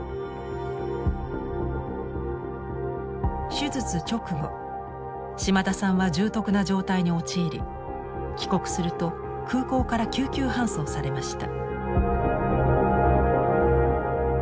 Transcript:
手術直後島田さんは重篤な状態に陥り帰国すると空港から救急搬送されました。